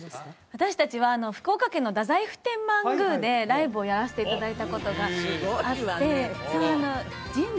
私達は福岡県の太宰府天満宮でライブをやらせていただいたことがあってすごいわね